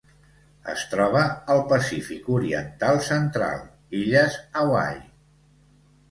Es troba al Pacífic oriental central: illes Hawaii.